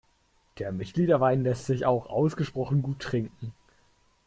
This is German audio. Der Mitgliederwein lässt sich auch ausgesprochen gut trinken.